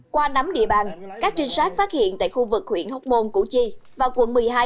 qua nắm địa bàn các trinh sát phát hiện tại khu vực huyện hóc môn củ chi và quận một mươi hai